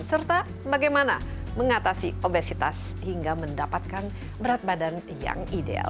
serta bagaimana mengatasi obesitas hingga mendapatkan berat badan yang ideal